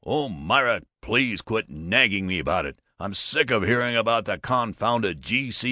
Oh, Myra, please quit nagging me about it. I'm sick of hearing about the confounded G.C.